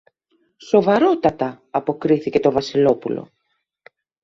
Σοβαρότατα, αποκρίθηκε το Βασιλόπουλο.